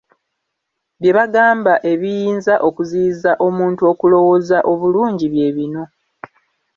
Bye bagamba ebiyinza okuziyiza omuntu okulowooza obulungi, bye bino.